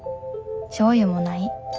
しょうゆもない。